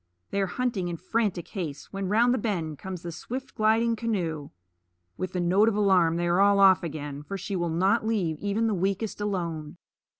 They are hunting in frantic haste when round the bend comes the swift gliding canoe. With a note of alarm they are all off again, for she will not leave even the weakest alone.